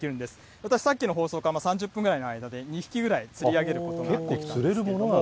私さっきの放送から３０分ぐらいの間に、２匹ぐらい釣り上げることができたんですけれども。